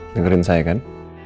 dengarin saya kan